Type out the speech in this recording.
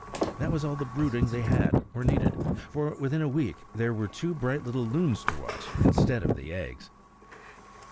That was all the brooding they had, or needed; for within a week there were two bright little loons to watch instead of the eggs.